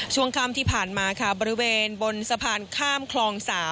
ช่วงค่ำที่ผ่านมาค่ะบริเวณบนสะพานข้ามคลอง๓